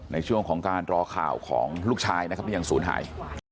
ในช่วงของการรอข่าวของลูกชายนะครับที่ยังศูนย์หาย